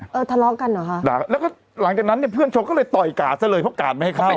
เออทะเลาะกันเหรอคะด่าแล้วก็หลังจากนั้นเนี่ยเพื่อนโชว์ก็เลยต่อยกาดซะเลยเพราะกาดไม่ให้เข้าไป